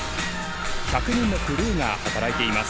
１００人のクルーが働いています。